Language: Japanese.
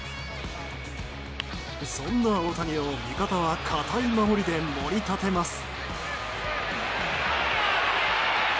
そんな大谷を、味方は堅い守りで守り立てます。